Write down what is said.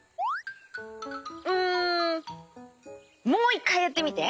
んもういっかいやってみて！